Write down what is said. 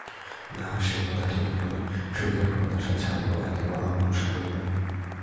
না, সে কথা ঠিক নয়– সুখের প্রত্যাশা ছাড়িব এতবড়ো অমানুষ আমি নই।